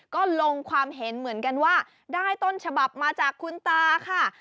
ก็ลงความเห็นเหมือนกันว่าได้ต้นฉบับมาจากคุณตาค่ะ